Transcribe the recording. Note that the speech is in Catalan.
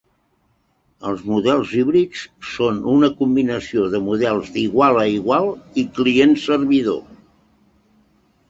Els models híbrids són una combinació de models d'igual a igual i client-servidor.